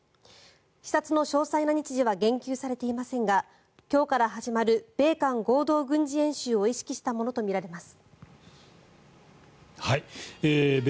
視察の詳細な日時は言及されていませんが今日から始まる米韓合同軍事演習を意識したものとみられます。